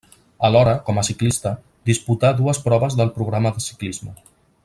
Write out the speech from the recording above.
Alhora, com a ciclista, disputà dues proves del programa de ciclisme.